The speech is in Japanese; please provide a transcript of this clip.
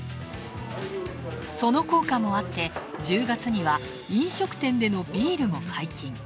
その効果もあって１０月には飲食店でのビールも解禁。